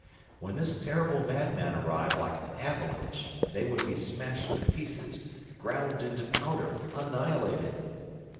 When this terrible madman arrived like an avalanche they would be smashed to pieces, ground into powder, annihilated!